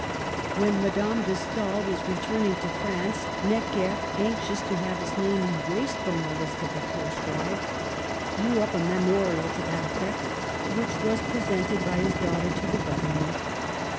When Madame de Stael was returning to France, Necker, anxious to have his name erased from the list of the proscribed, drew up a memo rial to that effect, which was presented by his daughter to the Government.